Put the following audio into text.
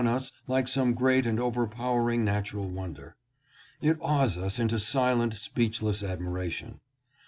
us like some great and overpowering natural wonder. It awes us into silent, speechless admiration.